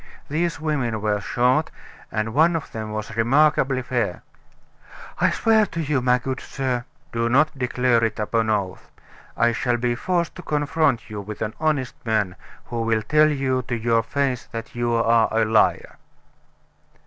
These women were short, and one of them was remarkably fair." "I swear to you, my good sir " "Do not declare it upon oath. I shall be forced to confront you with an honest man, who will tell you to your face that you are a liar!"